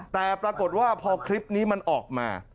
แต่ปรากฏว่าพอคลิปนี้มันออกมา